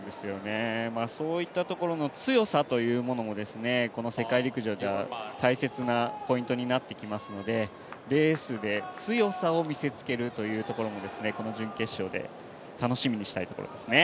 そういったところの強さというものも、この世界陸上では大切なポイントになってきますのでレースで強さを見せつけるというところも、このじ準決勝で楽しみにしたいところですね。